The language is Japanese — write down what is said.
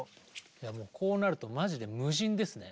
いやもうこうなるとマジで無人ですね。